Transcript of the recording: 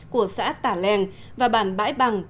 của xã tả leng và bản bãi bằng